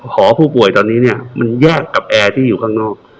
หอผู้ป่วยตอนนี้เนี่ยมันแยกกับแอร์ที่อยู่ข้างนอก